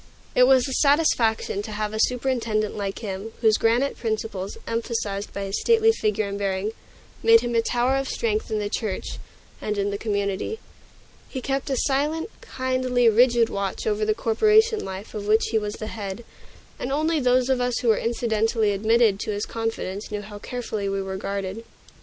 It was a satisfaction to have a superintendent like him, whose granite principles, emphasized by his stately figure and bearing, made him a tower of strength in the church and in the community. He kept a silent, kindly, rigid watch over the corporation life of which he was the head; and only those of us who were incidentally admitted to his confidence knew how carefully we were guarded.